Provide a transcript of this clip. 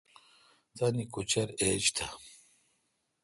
تان کوچر ایج تھ۔